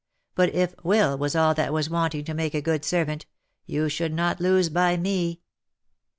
But if will was all that was wanting to make a good servant, you should not lose by me."